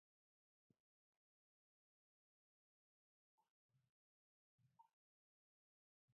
Vecborne ir ciems Krāslavas novada Kaplavas pagastā.